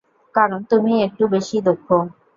কারণ, তুমিই একটু বেশিই দক্ষ!